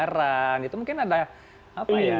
kurang kurang ini itu mungkin ada apa yang